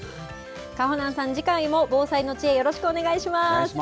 かほなんさん、次回も防災の知恵、よろしくお願いします。